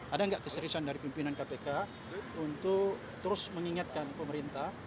ada nggak keseriusan dari pimpinan kpk untuk terus mengingatkan pemerintah